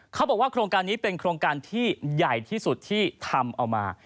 เขาบอกว่าโครงการนี้เป็นโครงการที่ใหญ่ที่สุดที่ทำเอามา